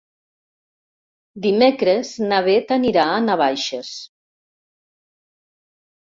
Dimecres na Bet anirà a Navaixes.